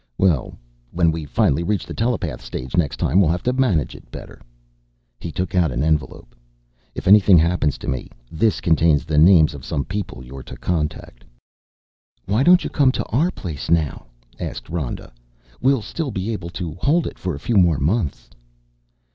Well, when we finally reach the telepath stage next time we'll have to manage it better." He took out an envelope. "If anything happens to me, this contains the names of some people you're to contact." "Why don't you come to our place now?" asked Rhoda. "We'll still be able to hold it for a few more months."